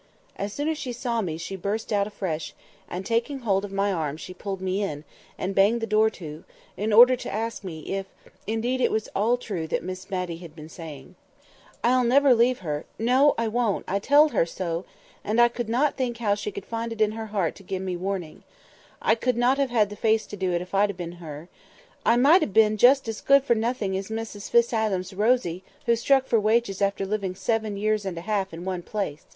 As soon as she saw me she burst out afresh, and taking hold of my arm she pulled me in, and banged the door to, in order to ask me if indeed it was all true that Miss Matty had been saying. "I'll never leave her! No; I won't. I telled her so, and said I could not think how she could find in her heart to give me warning. I could not have had the face to do it, if I'd been her. I might ha' been just as good for nothing as Mrs Fitz Adam's Rosy, who struck for wages after living seven years and a half in one place.